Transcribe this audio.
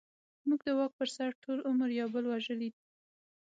موږ د واک پر سر ټول عمر يو بل وژلې دي.